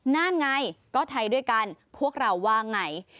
นั่นไงก็ไทยด้วยกันพวกเราว่าไง